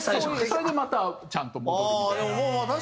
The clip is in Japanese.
それでまたちゃんと戻るみたいな。